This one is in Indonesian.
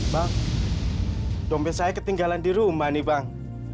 bang dompet saya ketinggalan di rumah nih bang